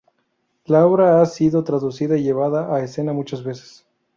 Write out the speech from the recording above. La obra ha sido traducida y llevada a escena muchas veces.